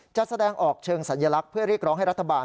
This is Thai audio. จะแสดงออกเชิงสัญลักษณ์เพื่อเรียกร้องให้รัฐบาล